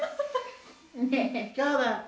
今日は。